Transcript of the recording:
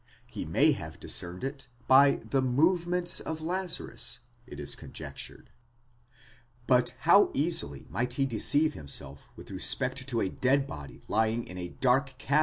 He may have discerned it by the movements of Lazarus, it is conjectured. But how easily might he deceive himself with respect to a dead body lying in a dark cavern =.